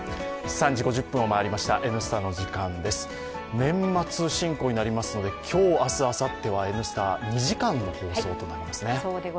年末進行になりますので今日、明日、あさっては「Ｎスタ」２時間の放送となりますね。